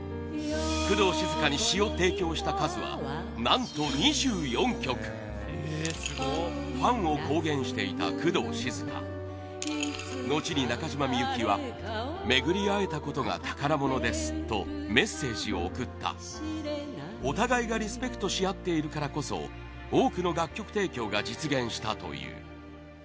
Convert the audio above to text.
工藤静香に詞を提供した数は何と２４曲ファンを公言していた工藤静香後に、中島みゆきは巡り合えたことが宝物ですとメッセージを送ったお互いがリスペクトし合っているからこそ多くの楽曲提供が実現したという